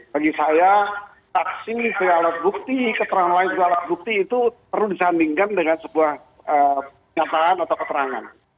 bagi saya taksi segala bukti keterangan lain segala bukti itu perlu disandingkan dengan sebuah penyataan atau keterangan